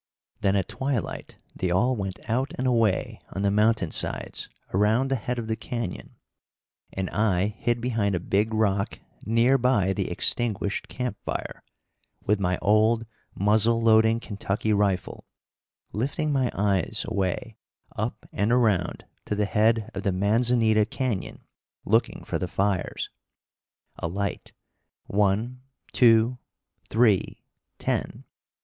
Then at twilight they all went out and away on the mountain sides around the head of the canyon, and I hid behind a big rock near by the extinguished camp fire, with my old muzzle loading Kentucky rifle, lifting my eyes away up and around to the head of the Manzanita canyon looking for the fires. A light! One, two, three, ten!